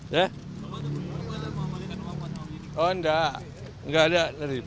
bapak tuh mengembalikan uang buat penyidik